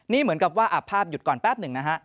นี่เหมือนกับว่าอับภาพหยุดก่อนแป๊บหนึ่งนะฮะ